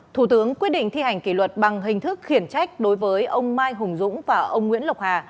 thủ tướng quyết định thi hành kỷ luật bằng hình thức khiển trách đối với ông mai hùng dũng và ông nguyễn lộc hà